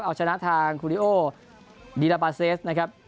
เอาชนะทางคูริโอดีลาบาเซสนะครับ